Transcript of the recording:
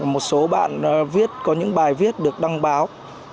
một số bạn viết có những bài viết được đăng báo